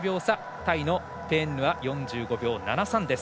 タイのペーンヌアが４５秒７３です。